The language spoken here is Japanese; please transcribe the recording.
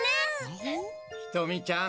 ひとみちゃん